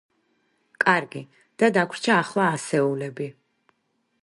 კარგი, და დაგვრჩა ახლა ასეულები.